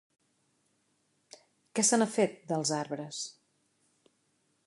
Què se n'ha fet, dels arbres?